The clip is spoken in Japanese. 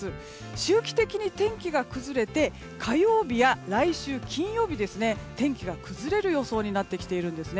周期的に天気が崩れ火曜日や来週の金曜日天気が崩れる予想になってきているんです。